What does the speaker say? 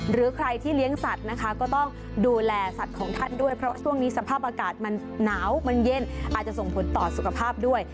หรือใครที่เลี้ยงสัตว์นะคะก็ต้องดูแลสัตว์ของท่านด้วยเพราะช่วงนี้สภาพอากาศมันหนาวมันเย็นอาจจะส่งผลต่อสุขภาพด้วย